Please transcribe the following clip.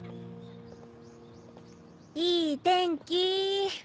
いい天気。